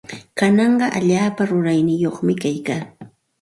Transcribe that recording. Kanaqa allaapa rurayyuqmi kaykaa.